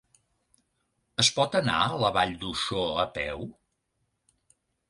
Es pot anar a la Vall d'Uixó a peu?